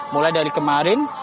mulai dari kemarin